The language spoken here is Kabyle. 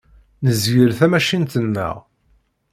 Nezgel tamacint-nneɣ.